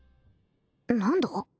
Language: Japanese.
何だ？